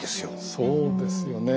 そうですよね。